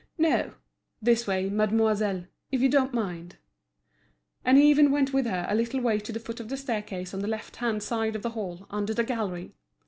"No—this way, mademoiselle; if you don't mind." And he even went with her a little way to the foot of the staircase on the left hand side of the hall under the gallery.